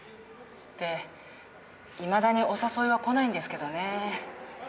でいまだにお誘いは来ないんですけどね。